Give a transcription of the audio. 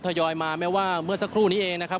ทยอยมาแม้ว่าเมื่อสักครู่นี้เองนะครับ